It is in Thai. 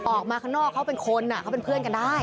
ออกมาข้างนอกเขาเป็นคนเขาเป็นเพื่อนกันได้